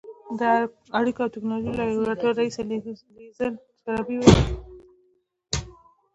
د اړیکو او ټېکنالوژۍ لابراتوار رییسه لیزل شرابي وايي